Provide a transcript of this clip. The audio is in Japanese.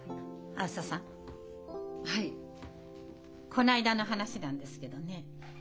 この間の話なんですけどね